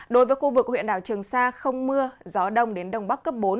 đối với khu vực huyện đảo trường sa không mưa gió đông đến đông bắc cấp bốn